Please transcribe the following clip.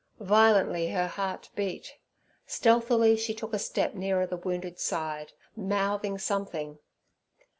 Violently her heart beat; stealthily she took a step nearer the wounded side, mouthing something.